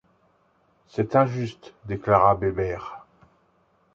C’est injuste! déclara Bébert.